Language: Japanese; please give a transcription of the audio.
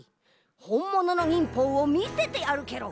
ほんものの忍法をみせてやるケロ。